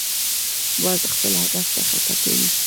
باز خپل هدف نه خطا کوي